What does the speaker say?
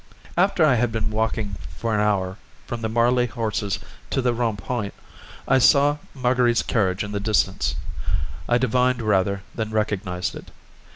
After I had been walking for an hour from the Marly horses to the Rond Point, I saw Marguerite's carriage in the distance; I divined rather than recognised it.